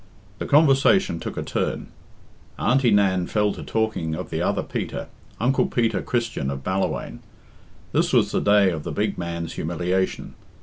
The conversation took a turn. Auntie Nan fell to talking of the other Peter, uncle Peter Christian of Ballawhaine. This was the day of the big man's humiliation.